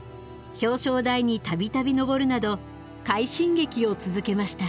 表彰台に度々登るなど快進撃を続けました。